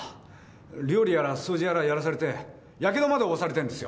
料理やら掃除やらやらされてやけどまで負わされてんですよ。